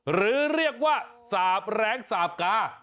หรือเรียกว่าสาบแรงสาบกา